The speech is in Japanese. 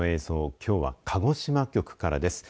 きょうは鹿児島局からです。